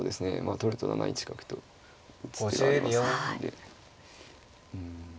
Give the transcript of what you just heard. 取ると７一角と打つ手がありますんで。